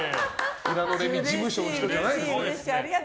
平野レミ事務所の人じゃない。